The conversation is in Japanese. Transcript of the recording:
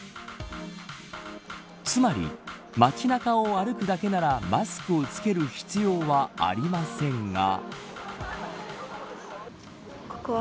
つまり、街中を歩くだけならマスクを着ける必要はありませんが。